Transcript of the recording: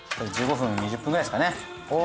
１５分２０分くらいですかね。